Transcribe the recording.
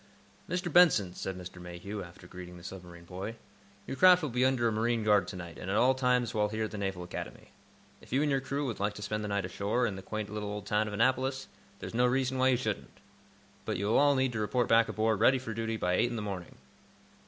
"Mr. Benson," said Mr. Mayhew, after greeting the submarine boy, "your craft will be under a marine guard to night, and at all times while here at the Naval Academy. If you and your crew would like to spend the night ashore, in the quaint little old town of Annapolis, there's no reason why you shouldn't. But you will all need to report back aboard, ready for duty, by eight in the morning."